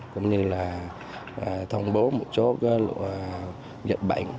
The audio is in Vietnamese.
cũng như là thông bố một số dịch bệnh